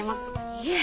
いえ。